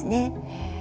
へえ。